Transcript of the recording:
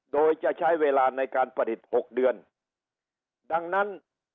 โดยจะใช้เวลาในการผลิตหกเดือนดังนั้น